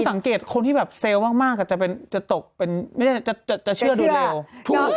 สังเกตคนที่แบบเซลล์มากจะตกเป็นจะเชื่อดูเร็ว